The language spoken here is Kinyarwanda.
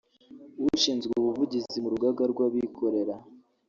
ushinzwe ubuvugizi mu Rugaga rw’Abikorera